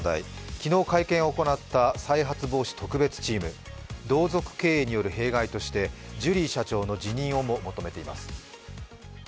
昨日会見を行った再発防止特別チーム、再発防止を巡ってジュリー社長の辞任をも求めています。